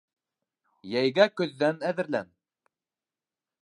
Йәйгә көҙҙән әҙерлән.